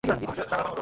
নাহয় চার্জশিটের কপি।